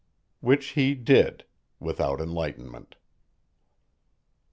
Which he did without enlightenment.